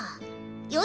よし！